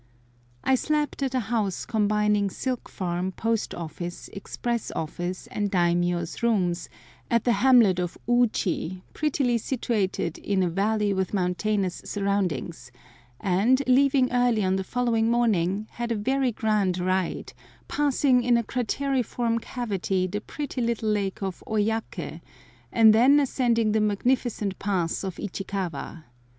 I slept at a house combining silk farm, post office, express office, and daimiyô's rooms, at the hamlet of Ouchi, prettily situated in a valley with mountainous surroundings, and, leaving early on the following morning, had a very grand ride, passing in a crateriform cavity the pretty little lake of Oyakê, and then ascending the magnificent pass of Ichikawa.